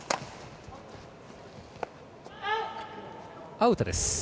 アウトです。